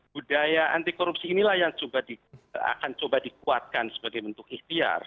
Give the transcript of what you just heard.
budaya anti korupsi inilah yang akan coba dikuatkan sebagai bentuk ikhtiar